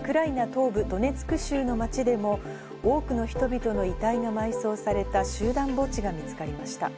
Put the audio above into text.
東部ドネツク州の町で多くの人々の遺体が埋葬された集団墓地が見つかりました。